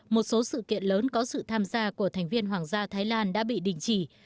một số sự kiện lớn có sự tham gia của thành viên hoàng gia thái lan đã bị đình chỉ